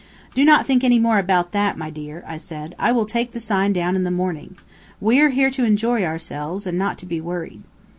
"Do not think anything more about that, my dear," I said. "I will take the sign down in the morning. We are here to enjoy ourselves, and not to be worried."